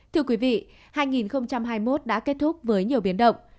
thưa quý vị hai nghìn hai mươi một đã kết thúc với nhiều biến động